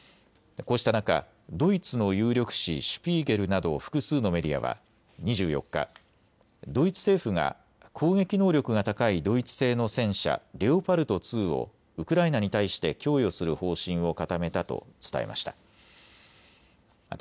こうした中、ドイツの有力誌シュピーゲルなど複数のメディアは２４日、ドイツ政府が攻撃能力が高いドイツ製の戦車、レオパルト２をウクライナに対して供与する方針を固めたと伝えました。